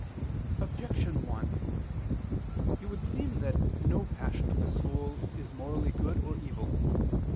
Objection 1: It would seem that no passion of the soul is morally good or evil.